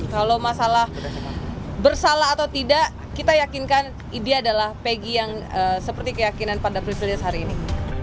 kalau masalah bersalah atau tidak kita yakinkan dia adalah pegi yang seperti keyakinan pada privilege hari ini